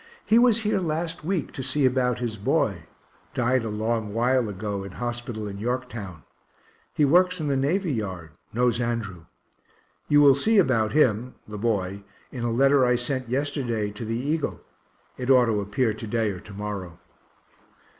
He was here last week to see about his boy, died a long while ago in hospital in Yorktown. He works in the Navy Yard knows Andrew. You will see about him (the boy) in a letter I sent yesterday to the Eagle it ought to appear to day or to morrow.